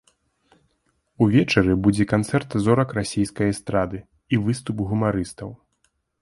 Увечары будзе канцэрт зорак расійскай эстрады і выступ гумарыстаў.